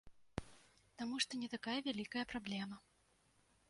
Таму што не такая вялікая праблема.